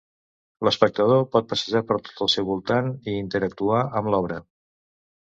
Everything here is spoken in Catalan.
L'espectador pot passejar per tot el seu voltant i interactuar amb l'obra.